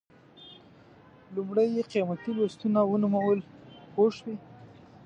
لومړی یې قیمتي لوستونه ونومول پوه شوې!.